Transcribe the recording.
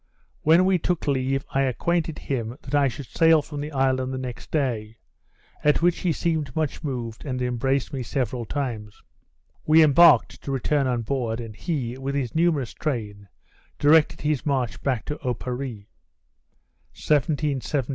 When we took leave, I acquainted him that I should sail from the island the next day; at which he seemed much moved, and embraced me several times. We embarked to return on board, and he, with his numerous train, directed his march back to Oparree.